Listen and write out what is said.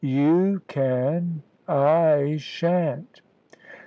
"You can. I shan't!"